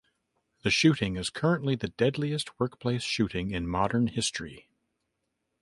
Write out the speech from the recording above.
The shooting is currently the deadliest workplace shooting in modern history.